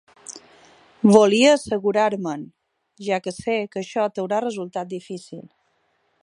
Volia assegurar-me'n, ja que sé que això t'haurà resultat difícil.